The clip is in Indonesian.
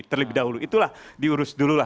terlebih dahulu itulah diurus dululah